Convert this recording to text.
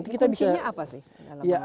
ini kuncinya apa sih